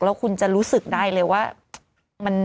แล้วคุณจะรู้สึกได้เลยว่า